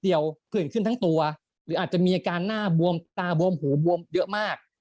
กลื่นขึ้นทั้งตัวหรืออาจจะมีอาการหน้าบวมตาบวมหูบวมเยอะมาก